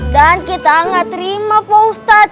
dan kita gak terima pak ustaz